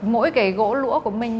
mỗi cái gỗ lũa của mình